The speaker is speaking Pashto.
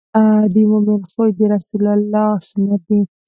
د مؤمن خوی د رسول الله سنت دی.